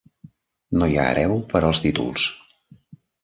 No hi ha hereu per als títols.